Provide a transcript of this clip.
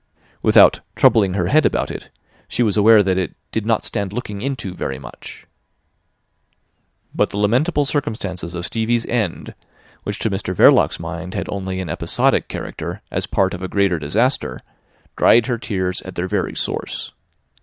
Without "troubling her head about it," she was aware that it "did not stand looking into very much." But the lamentable circumstances of Stevie's end, which to Mr Verloc's mind had only an episodic character, as part of a greater disaster, dried her tears at their very source.